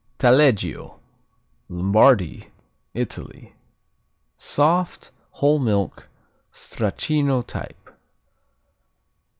Taleggio Lombardy, Italy Soft, whole milk, Stracchino type.